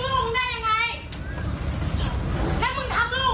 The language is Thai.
หาลูกมึงตาว่อง่าย